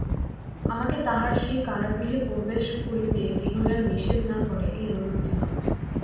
আমাকে তাহার সেই কারাগৃহে প্রবেশ করিতে কেহ যেন নিষেধ না করে এই অনুমতি দাও।